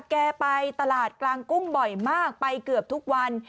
แกไปตลาดกลางกุ้งบ่อยมากไปเกือบทุกวัน